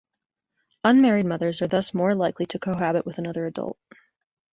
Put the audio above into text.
Unmarried mothers are thus more likely to cohabit with another adult.